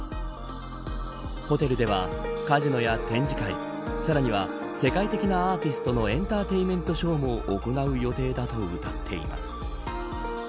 ホテルではカジノや展示会さらには世界的なアーティストのエンターテインメントショーも行う予定だとうたっています。